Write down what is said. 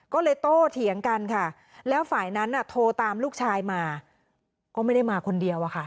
ก็เลยโตเถียงกันค่ะแล้วฝ่ายนั้นโทรตามลูกชายมาก็ไม่ได้มาคนเดียวอะค่ะ